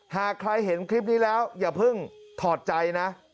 หากใครเห็นคลิปนี้แล้วอย่าเพิ่งถอดใจนะ